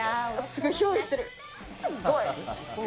すごい、憑依してる。